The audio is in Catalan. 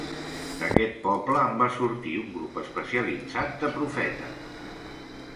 D'aquest poble en va sortir un grup especialitzat de profetes.